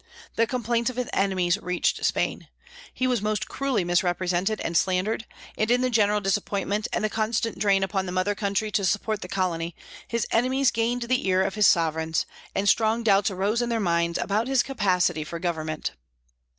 The complaints of his enemies reached Spain. He was most cruelly misrepresented and slandered; and in the general disappointment, and the constant drain upon the mother country to support the colony, his enemies gained the ear of his sovereigns, and strong doubts arose in their minds about his capacity for government.